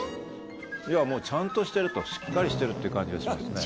いやもうちゃんとしてるしっかりしてるっていう感じがしますね。